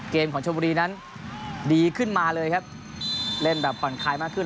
เกมของชมบุรีนั้นดีขึ้นมาเลยครับเล่นแบบผ่อนคลายมากขึ้น